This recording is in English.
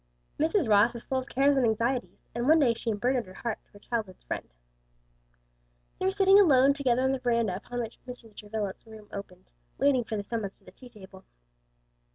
Mrs. Ross was full of cares and anxieties, and one day she unburdened her heart to her childhood's friend. They were sitting alone together on the veranda upon which Mrs. Travilla's room opened, waiting for the summons to the tea table.